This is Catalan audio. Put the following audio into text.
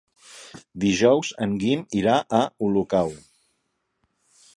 Dijous en Guim irà a Olocau.